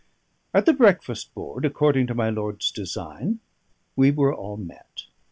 At the breakfast board, according to my lord's design, we were all met.